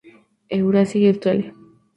Eurasia y Australia.